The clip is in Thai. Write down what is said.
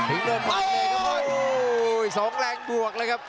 โอ้โหสองแรงบวกเลยครับ